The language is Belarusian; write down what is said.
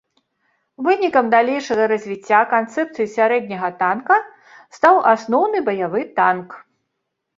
Вынікам далейшага развіцця канцэпцыі сярэдняга танка стаў асноўны баявы танк.